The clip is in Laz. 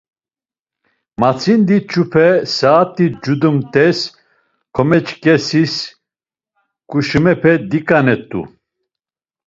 Matzindi, çupe, saat̆i cudumt̆es, komeçeǩesis ǩuşumepe diǩanet̆u.